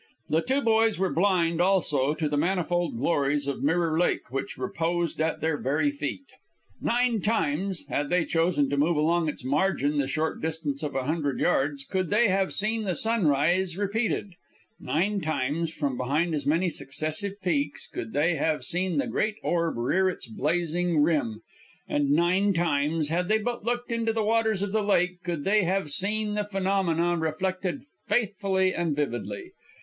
The two boys were blind, also, to the manifold glories of Mirror Lake which reposed at their very feet. Nine times, had they chosen to move along its margin the short distance of a hundred yards, could they have seen the sunrise repeated; nine times, from behind as many successive peaks, could they have seen the great orb rear his blazing rim; and nine times, had they but looked into the waters of the lake, could they have seen the phenomena reflected faithfully and vividly.